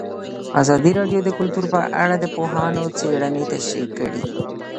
ازادي راډیو د کلتور په اړه د پوهانو څېړنې تشریح کړې.